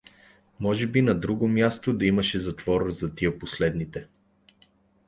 Може би на друго място да имаше затвор за тия последните.